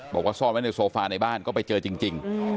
บอกว่าซ่อนไว้ในโซฟาในบ้านก็ไปเจอจริง